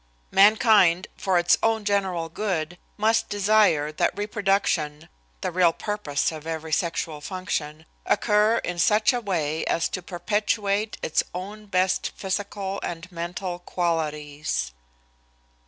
Mankind, for its own general good, must desire that reproduction the real purpose of every sexual function occur in such a way as to perpetuate its own best physical and mental qualities.